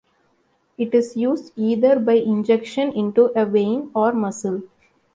It is used either by injection into a vein or muscle.